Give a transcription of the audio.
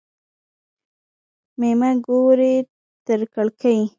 مېمه ګوري تر کړکۍ.